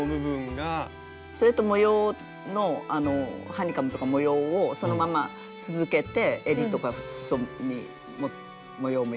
それと模様のハニカムとか模様をそのまま続けてえりとかすそに模様も入れて。